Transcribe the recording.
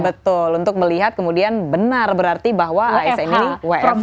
betul untuk melihat kemudian benar berarti bahwa asn ini wfh